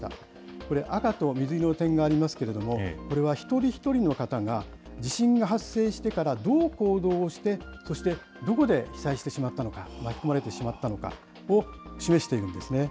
これ、赤と水色の点がありますけれども、これは一人一人の方が、地震が発生してからどう行動をして、そしてどこで被災してしまったのか、巻き込まれてしまったのかを示しているんですね。